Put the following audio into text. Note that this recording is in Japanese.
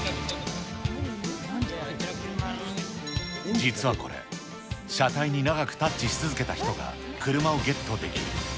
実はこれ、車体に長くタッチし続けた人が車をゲットできる。